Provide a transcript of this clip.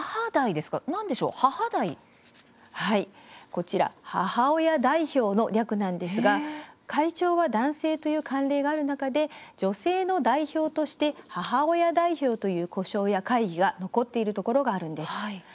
こちら母親代表の略なんですが会長は男性という慣例がある中で女性の代表として母親代表という呼称や会議が残っているところがあるんです。